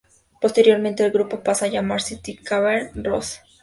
Posteriormente el grupo pasa a llamarse The Cabaret Rose.